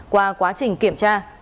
qua quá trình kiểm tra